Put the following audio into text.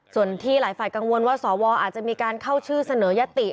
ส่วนที่หลายฝ่ายกังวลว่าสวอาจจะมีการเข้าชื่อเสนอยติ